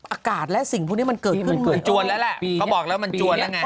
อากาศและสิ่งพวกนี้มันเกิดขึ้นเกิดจวนแล้วแหละเขาบอกแล้วมันจวนแล้วไง